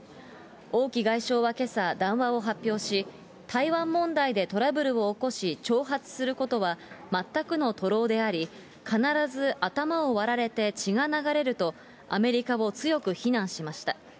王毅外相はけさ、談話を発表し、台湾問題でトラブルを起こし、挑発することは、全くの徒労であり、必ず頭を割られて血が流れると、アメリカを強く非難しました。